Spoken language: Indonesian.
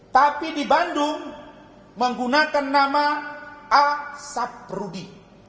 tapi di bandung menggunakan nama a saprudi